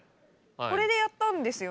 これでやったんですよ